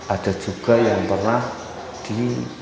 ada juga yang pernah di